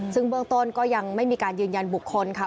ซึ่งเบื้องต้นก็ยังไม่มีการยืนยันบุคคลค่ะ